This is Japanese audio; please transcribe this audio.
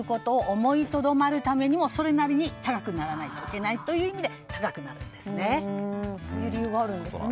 思いとどまるためにも高くならないといけないという意味で高くなっているんですね。